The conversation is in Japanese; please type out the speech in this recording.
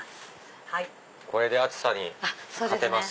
これで暑さに勝てます。